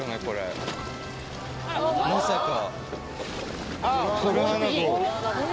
まさか。